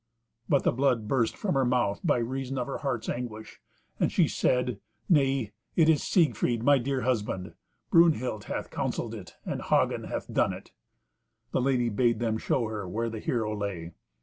But the blood burst from her mouth by reason of her heart's anguish, and she said, "Nay, it is Siegfried, my dear husband. Brunhild hath counselled it, and Hagen hath done it." The lady bade them show her where the hero lay.